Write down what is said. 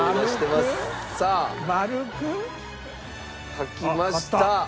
書きました。